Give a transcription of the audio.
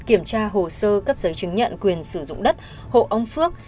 kiểm tra hồ sơ cấp giấy chứng nhận quyền sử dụng đất hộ ông phước